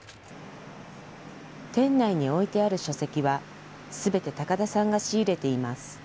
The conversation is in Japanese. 店内に置いてある書籍は、すべて高田さんが仕入れています。